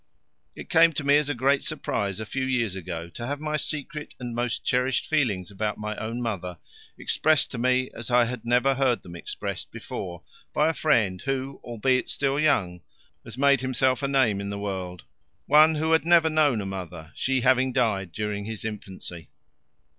It came to me as a great surprise a few years ago to have my secret and most cherished feelings about my own mother expressed to me as I had never heard them expressed before by a friend who, albeit still young, has made himself a name in the world, one who had never known a mother, she having died during his infancy.